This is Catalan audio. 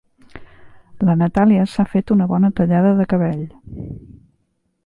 La Natàlia s'ha fet una bona tallada de cabell.